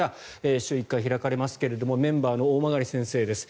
週１回開かれますがメンバーの大曲先生です。